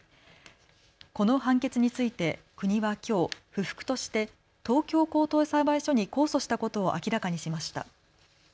この判決について国はきょう不服として東京高等裁判所に控訴したことを明らかにしました。